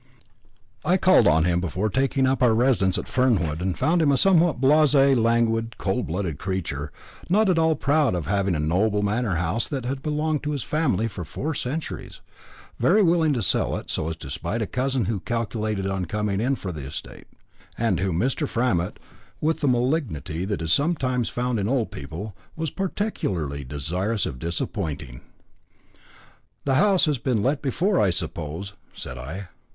I called on him before taking up our residence at Fernwood, and found him a somewhat blasé, languid, cold blooded creature, not at all proud of having a noble manor house that had belonged to his family for four centuries; very willing to sell it, so as to spite a cousin who calculated on coming in for the estate, and whom Mr. Framett, with the malignity that is sometimes found in old people, was particularly desirous of disappointing. "The house has been let before, I suppose?" said I.